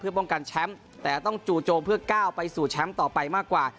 เพื่อป้องกันแชมป์แต่ต้องจู่โจมเพื่อก้าวไปสู่แชมป์ต่อไปมากกว่า